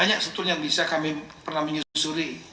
banyak sebetulnya yang bisa kami pernah menyusuri